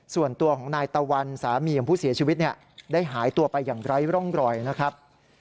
ส่วนตัวของนายตะวันสามีของผู้เสียชีวิตได้หายตัวไปอย่างไร้ร่องรอยนะครับ